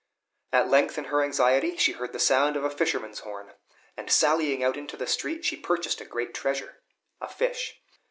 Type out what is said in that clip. At length, in her anxiety, she heard the sound of a fisherman's horn; and, sallying out into the street, she purchased a great treasure, a fish.